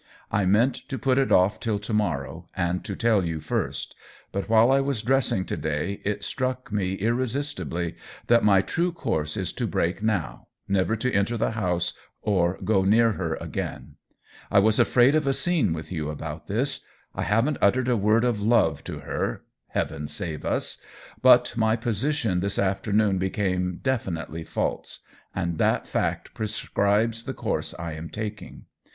I meant to put it off till to morrow, and to tell you first ; but while I was dress ing to day it struck me irresistibly that my true course is to break now — never to enter the house or go near her again. I was afraid of a scene with you about this. I haven't uttered a word of *love' to her (Heaven save us !), but my position this afternoon became definitely false, and that fact prescribes the course I am taking.